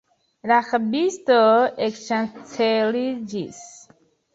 La rabisto ekŝanceliĝis.